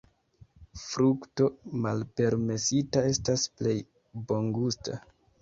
Frukto malpermesita estas plej bongusta.